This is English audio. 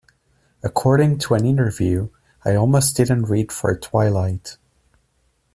According to an interview, "I almost didn't read for "Twilight".